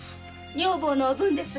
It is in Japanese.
女房のおぶんです。